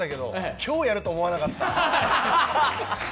今日やるとは思わなかった。